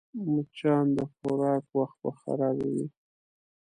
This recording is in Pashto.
مچان د خوراک وخت خرابوي